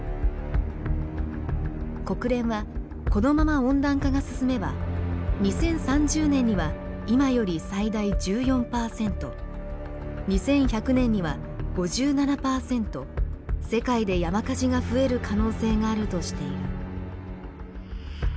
国連はこのまま温暖化が進めば２０３０年には今より最大１４％２１００年には５７％世界で山火事が増える可能性があるとしている。